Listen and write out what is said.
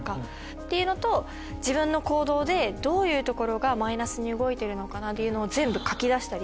っていうのと自分の行動でどういうところがマイナスに動いているのかなっていうのを全部書き出したり。